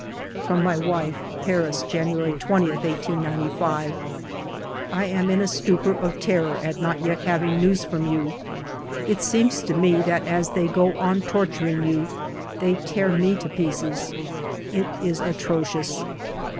From my wife :— "Paris, January 20, 1895. " I am in a stupor of terror at not yet having news from you. It seems to me that as they go on torturing you they tear me to pieces. It is atrocious